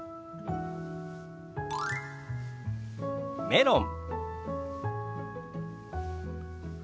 「メロン」。